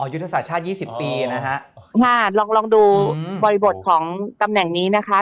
อ๋อยุทธศาสตร์ชาติ๒๐ปีนะฮะอ๋อลองดูบริบทของกำแหน่งนี้นะคะ